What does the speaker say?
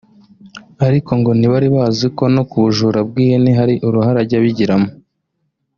ariko ngo ntibari bazi ko no ku bujura bw’ihene hari uruhare ajya abigiramo